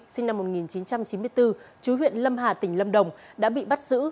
sinh năm một nghìn chín trăm chín mươi bốn chú huyện lâm hà tỉnh lâm đồng đã bị bắt giữ